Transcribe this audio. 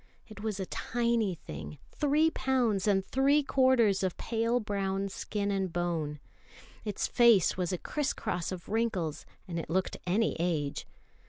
It was a tiny thing, three pounds and three quarters of pale brown skin and bone. Its face was a criss cross of wrinkles, and it looked any age.